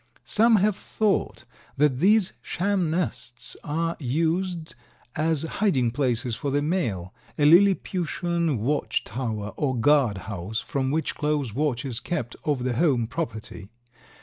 Some have thought that these sham nests are used as hiding places for the male, a Lilliputian watch tower or guard house, from which close watch is kept over the home property.